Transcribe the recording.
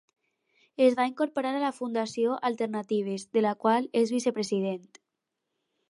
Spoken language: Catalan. Es va incorporar a la Fundació Alternatives, de la qual és Vicepresident.